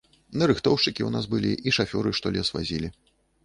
Нарыхтоўшчыкі ў нас былі і шафёры, што лес вазілі.